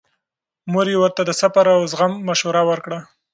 مور یې ورته د صبر او زغم مشوره ورکړه.